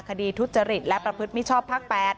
คดีทุจริตและประพฤติมิชชอบภาค๘